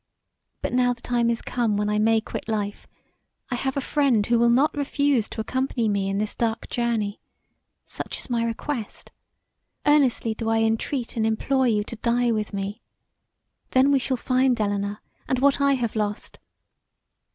But now the time is come when I may quit life, I have a friend who will not refuse to accompany me in this dark journey; such is my request: earnestly do I entreat and implore you to die with me. Then we shall find Elinor and what I have lost.